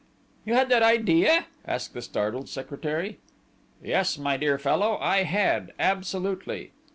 "You had that idea?" asked the startled secretary. "Yes, my dear fellow, I had absolutely!"